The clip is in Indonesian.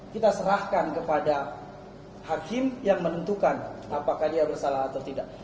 kita serahkan kepada hakim yang menentukan apakah dia bersalah atau tidak